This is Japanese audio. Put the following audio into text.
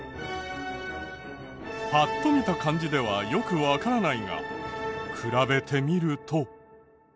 パッと見た感じではよくわからないが比べてみると。